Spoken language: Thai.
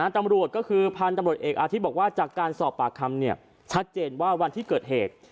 ตำรวจก็คือพันธุ์ตำรวจเอกอาทิตย์บอกว่าจากการสอบปากคำชัดเจนว่าวันที่เกิดเหตุ